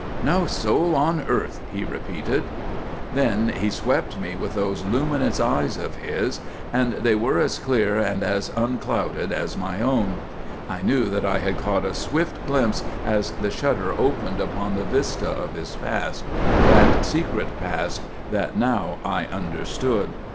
"No soul on earth," he repeated. Then he swept me with those luminous eyes of his, and they were as clear and as unclouded as my own. I knew that I had caught a swift glimpse as the shutter opened upon the vista of his past; that secret past that now I understood.